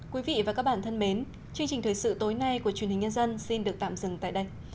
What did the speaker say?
quý vị và các bạn thân mến chương trình thời sự tối nay của truyền hình nhân dân xin được tạm dừng tại đây